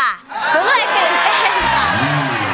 ไม่ได้ออกทีวีก็เลยตื่นเต้นค่ะ